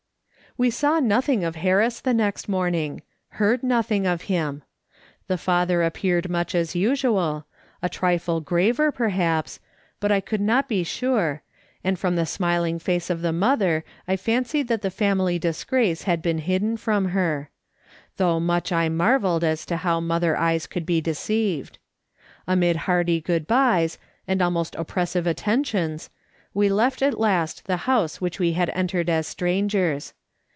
We saw nothing of Harris the next morning, heard nothing of liim. The father appeared much as usual, a trifle graver, perhaps, but I could not be sure, and from the smiling face of the motlier I fancied that the family disgrace had been hidden from her; though much I marvelled as to how mother eyes could be deceived. Amid hearty good byes, and almost oppressive attentions, we left at last the house which we had entered as strangers.